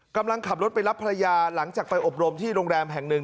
กำลังขับรถไปรับภรรยาหลังจากไปอบรมที่โรงแรมแห่งหนึ่ง